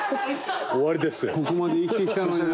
終わりですよ。